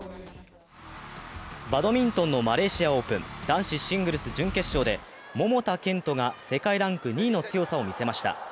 バドミントンのマレーシアオープン、男子シングルス準決勝で桃田賢斗が世界ランク２位の強さを見せました。